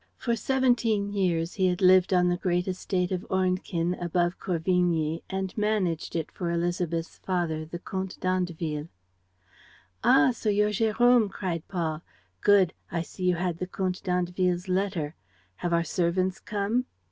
For seventeen years he had lived on the great estate of Ornequin, above Corvigny, and managed it for Élisabeth's father, the Comte d'Andeville. "Ah, so you're Jérôme?" cried Paul. "Good! I see you had the Comte d'Andeville's letter. Have our servants come?"